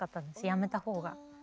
辞めた方が。